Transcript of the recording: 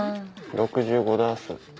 ６５ダース。